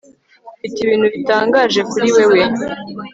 mfite ibintu bitangaje kuri wewe